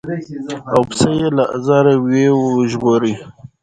او پسه یې له آزاره وي ژغورلی